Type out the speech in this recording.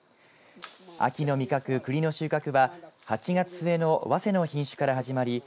秋の味覚くりの収穫は８月末のわせの品種から始まり